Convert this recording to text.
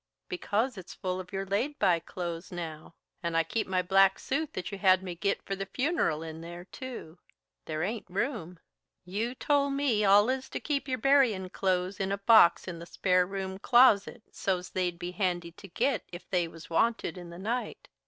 "Because it's full of your laid by clothes now, and I keep my black suit that you had me git for the funeral in there, too. There ain't room. You told me allus to keep your buryin' clothes in a box in the spare room closet, so's they'd be handy to git if they was wanted in the night.